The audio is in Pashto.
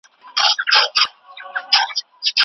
د مرغانو اوازونه واورئ.